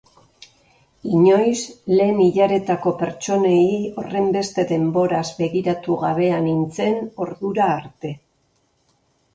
Inoiz lehen ilaretako pertsonei horrenbeste denboraz begiratu gabea nintzen ordura arte.